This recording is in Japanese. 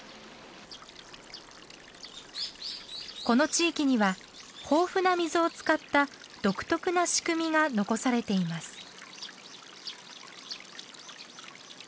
この地域には豊富な水を使った独特な仕組みが残されています。